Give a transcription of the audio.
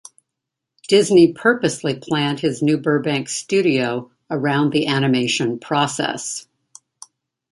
Disney purposely planned his new Burbank studio around the animation process.